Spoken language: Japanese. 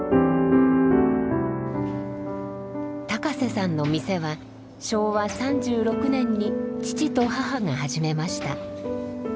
高瀬さんの店は昭和３６年に父と母が始めました。